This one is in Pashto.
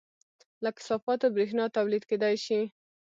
له کثافاتو بریښنا تولید کیدی شي